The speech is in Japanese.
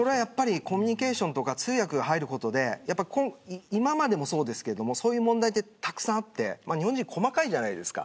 コミュニケーションや通訳が入ることで今までもそうですがそういう問題は、たくさんあって日本人、細かいじゃないですか。